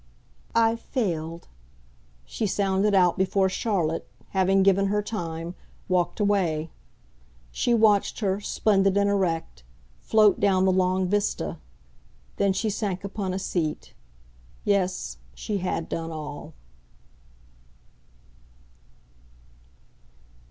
"I've failed!" she sounded out before Charlotte, having given her time, walked away. She watched her, splendid and erect, float down the long vista; then she sank upon a seat. Yes, she had done all.